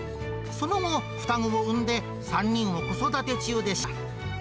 その後、双子を産んで３人を子育て中でした。